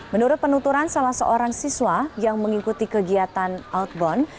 menurut penuturan salah seorang siswa yang mengikuti kegiatan outbound